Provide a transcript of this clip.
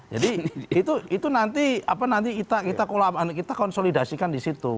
jadi itu nanti apa nanti kita konsolidasikan disitu